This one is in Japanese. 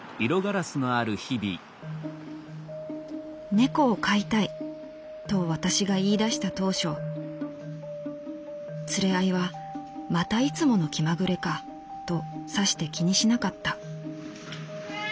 「『猫を飼いたい』と私が言い出した当初連れ合いはまたいつもの気まぐれかとさして気にしなかった」。